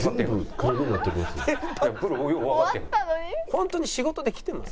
「本当に仕事で来てます？」。